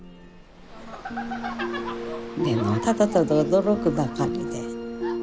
でもただただ驚くばかりで。